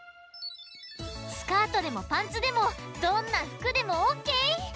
スカートでもパンツでもどんなふくでもオッケー！